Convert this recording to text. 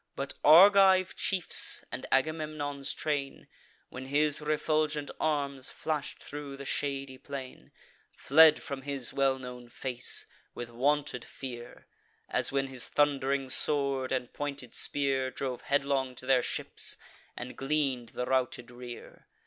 But Argive chiefs, and Agamemnon's train, When his refulgent arms flash'd thro' the shady plain, Fled from his well known face, with wonted fear, As when his thund'ring sword and pointed spear Drove headlong to their ships, and glean'd the routed rear.